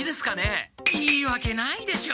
いいわけないでしょ！